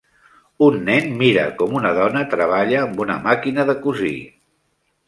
Un nen mira com una dona treballa amb una màquina de cosir.